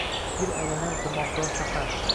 gir aylanar dimogʼdor shahar